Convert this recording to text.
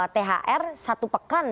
thr satu pekan